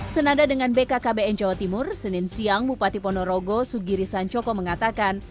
senada dengan bkkbn jawa timur senin siang bupati ponorogo sugiri sancoko mengatakan